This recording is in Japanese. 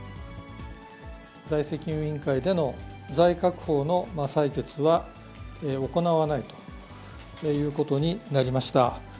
財政金融委員会での財確法の採決は行わないということになりました。